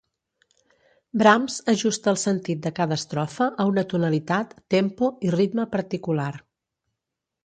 Brahms ajusta el sentit de cada estrofa a una tonalitat, tempo i ritme particular.